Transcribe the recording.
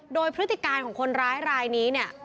โดยพฤติการของคนร้ายรายนี้เนี่ย